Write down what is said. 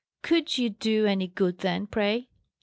"Could you do any good then, pray?"